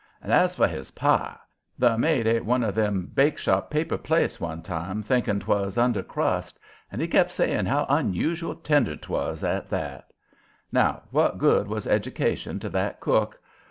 And as for his pie! the mate ate one of them bakeshop paper plates one time, thinking 'twas under crust; and he kept sayin' how unusual tender 'twas, at that. Now, what good was education to that cook?